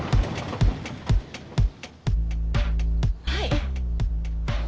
はい。